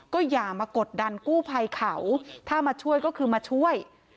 ก็อย่ามากดดันกู้ภัยเขาถ้ามาช่วยก็คือมาช่วย